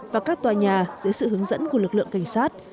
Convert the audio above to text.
và các tòa nhà dưới sự hướng dẫn của lực lượng cảnh sát